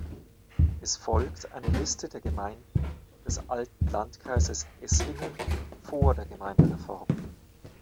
Es folgt eine Liste der Gemeinden des alten Landkreises Esslingen vor der Gemeindereform.